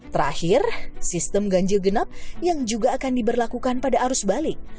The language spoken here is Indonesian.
terakhir sistem ganjil genap yang juga akan diberlakukan pada arus balik